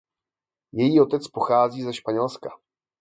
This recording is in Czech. Její otec pochází ze Španělska.